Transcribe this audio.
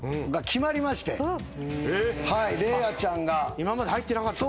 今まで入ってなかったの？